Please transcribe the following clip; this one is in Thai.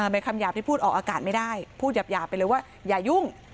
เป็นคำหยาบที่พูดออกอากาศไม่ได้พูดหยาบไปเลยว่าอย่ายุ่ง